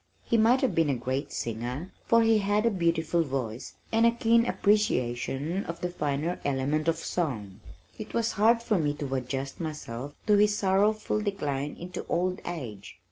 He might have been a great singer, for he had a beautiful voice and a keen appreciation of the finer elements of song. It was hard for me to adjust myself to his sorrowful decline into old age.